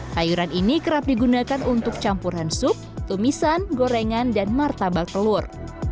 sayuran ini kerap digunakan untuk campuran sup tumisan gorengan dan martabak telur